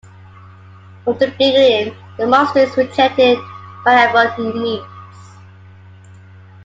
From the beginning, the monster is rejected by everyone he meets.